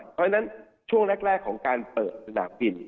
เพราะฉะนั้นช่วงแรกของการเปิดสนามบิน